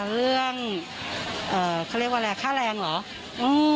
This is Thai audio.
เรื่องข้าวแรงเหรอ